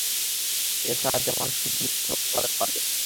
এর সাহায্যে মানুষ খুব দ্রুত ফসল ফলাতে পারবে।